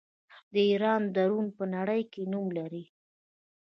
د ایران ډرون په نړۍ کې نوم لري.